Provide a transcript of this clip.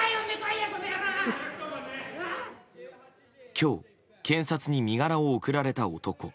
今日、検察に身柄を送られた男。